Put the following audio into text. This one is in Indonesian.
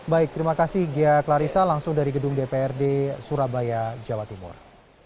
baik terima kasih ghea klarissa langsung dari gedung dprd surabaya jawa timur